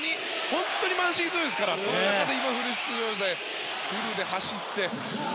本当に満身創痍ですからその中でフル出場してフルで走って。